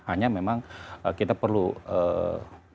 hanya memang kita perlu ee